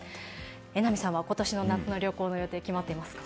榎並さんは今年の夏の旅行の予定決まってますか？